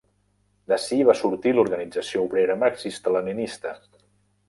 D'ací va sortir l'Organització Obrera Marxista-Leninista.